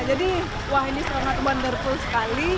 jadi wah ini sangat wonderful sekali